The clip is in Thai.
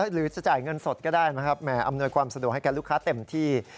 หรือจะจ่ายเงินสดก็ได้อำนวยความสะดวกให้กับลูกค้าเต็มที่